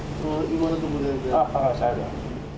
今のところ全然。